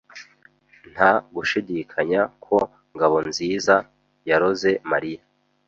Nta gushidikanya ko Ngabonziza yaroze Mariya.